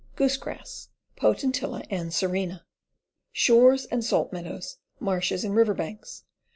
Goose grass. Po tentilla Anserina. Shores and salt meadows, marshes and river banks.